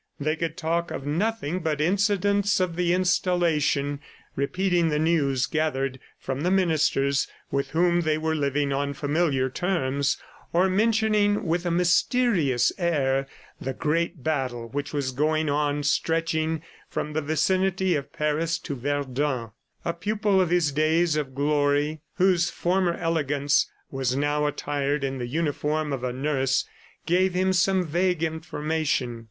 They could talk of nothing but incidents of the installation, repeating the news gathered from the ministers with whom they were living on familiar terms, or mentioning with a mysterious air, the great battle which was going on stretching from the vicinity of Paris to Verdun. A pupil of his days of glory, whose former elegance was now attired in the uniform of a nurse, gave him some vague information.